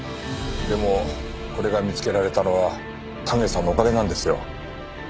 でもこれが見つけられたのは丹下さんのおかげなんですよ。